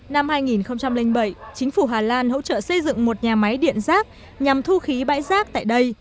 năm hai nghìn bảy chính phủ hà lan hỗ trợ xây dựng một nhà máy điện rác nhằm thu khí bãi rác tại đây